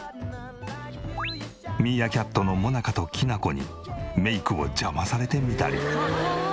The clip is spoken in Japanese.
ミーアキャットのモナカときなこにメイクを邪魔されてみたり。